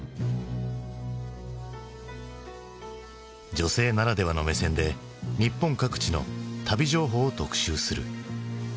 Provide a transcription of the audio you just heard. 女性ならではの目線で日本各地の旅情報を特集する。